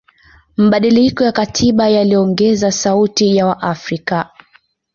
mabadiliko ya katiba yaliongeza sauti ya waafrika